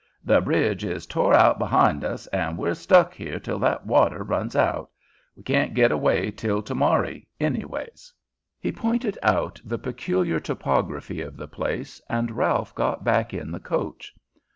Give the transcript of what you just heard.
The bridge is tore out behind us, an' we're stuck here till that water runs out. We can't git away till to morry, anyways." He pointed out the peculiar topography of the place, and Ralph got back in the coach.